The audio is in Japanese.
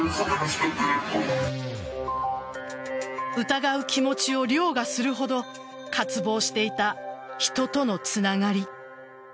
疑う気持ちを凌駕するほど渇望していた人とのつながり。